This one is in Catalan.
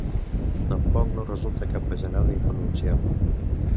Tampoc no resulta cap bajanada impronunciable.